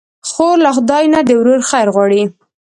خور له خدای نه د ورور خیر غواړي.